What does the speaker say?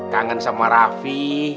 kangen sama rafi